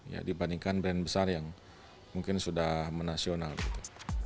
ya dibandingkan brand besar yang mungkin sudah menasional gitu